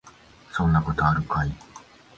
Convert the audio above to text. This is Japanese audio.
そんなことあるかい